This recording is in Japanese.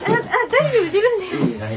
大丈夫自分でやる。